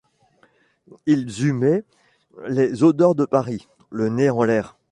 Ils humaient les odeurs de Paris, le nez en l’air.